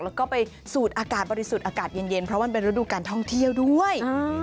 แล้วก็ไปสูดอากาศบริสุทธิ์อากาศเย็นเพราะมันเป็นฤดูการท่องเที่ยวด้วย